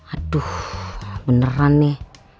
aduh beneran nih